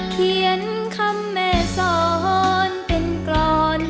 เขียนคำแม่สอนเป็นกรอน